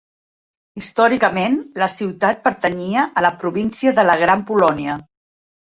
Històricament, la ciutat pertanyia a la província de la Gran Polònia.